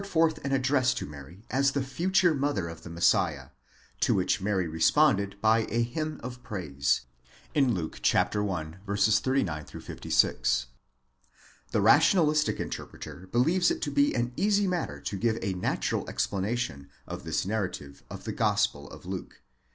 149 forth an address to Mary as the future mother of the Messiah, to which Mary responded by a hymn of praise (Luke i. 39 56). The rationalistic interpreter believes it to be an easy matter to give a natural explanation of this narrative of the Gospel of Luke.